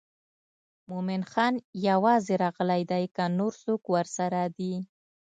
مومن خان یوازې راغلی دی که نور څوک ورسره دي.